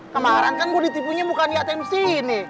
kemarin kan gue ditipunya bukan di atm sini